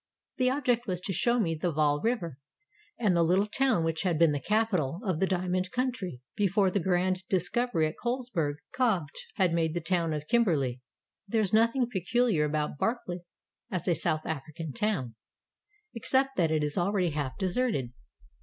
The object was to show me the Vaal River, and the little town which had been the capital of the diamond country before the grand dis covery at Colesberg Kopje had made the town of Kim berley. There is nothing peculiar about Barkly as a South African town, except that it is already half deserted.